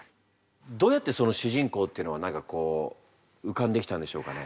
どうやってその主人公っていうのは何かこう浮かんできたんでしょうかね。